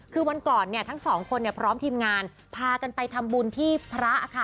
คือวันก่อนเนี่ยทั้งสองคนพร้อมทีมงานพากันไปทำบุญที่พระค่ะ